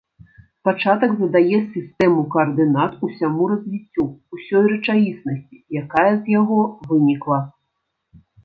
Пачатак задае сістэму каардынат усяму развіццю, усёй рэчаіснасці, якая з яго вынікла.